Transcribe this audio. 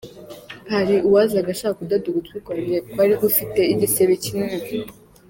Hari uwazaga ashaka kudoda ugutwi kwanjye kwari gufite igisebe kinini.